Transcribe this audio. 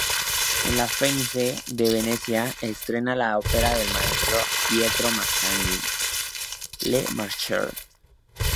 En la "Fenice" de Venecia, estrena, la ópera del maestro Pietro Mascagni, "Le_Maschere".